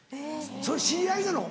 それ知り合いなの？